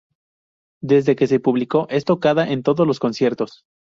Desde que se publicó es tocada en todos los conciertos.